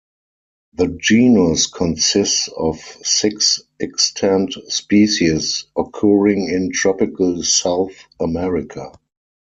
The genus consists of six extant species occurring in tropical South America.